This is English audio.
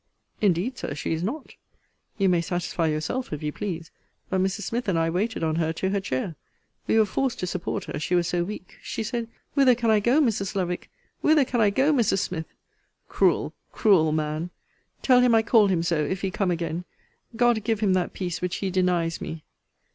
Indeed, Sir, she is not. You may satisfy yourself, if you please: but Mrs. Smith and I waited on her to her chair. We were forced to support her, she was so weak. She said, Whither can I go, Mrs. Lovick? whither can I go, Mrs. Smith? Cruel, cruel man! tell him I called him so, if he come again! God give him that peace which he denies me!